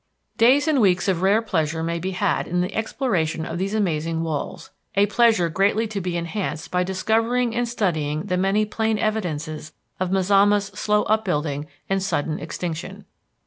Days and weeks of rare pleasure may be had in the exploration of these amazing walls, a pleasure greatly to be enhanced by discovering and studying the many plain evidences of Mazama's slow upbuilding and sudden extinction.